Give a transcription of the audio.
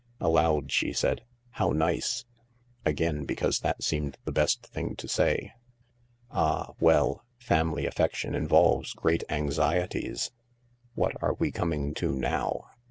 Aloud she said :" How nice "— again because that seemed the best thing to say. "Ah, well, family affection involves great anxieties." "What are we coming to now